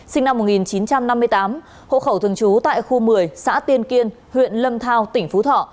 sinh năm một nghìn chín trăm năm mươi tám hộ khẩu thường trú tại khu một mươi xã tiên kiên huyện lâm thao tỉnh phú thọ